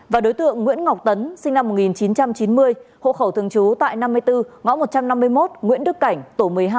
và đối tượng nguyễn ngọc tấn sinh năm một nghìn chín trăm chín mươi hộ khẩu thường trú tại năm mươi bốn ngõ một trăm năm mươi một nguyễn đức cảnh tổ một mươi hai